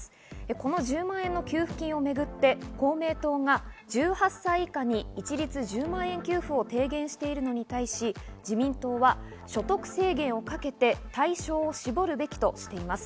この１０万円の給付金をめぐって公明党が１８歳以下に一律１０万円給付を提言しているのに対し、自民党は所得制限をかけて対象を絞るべきとしています。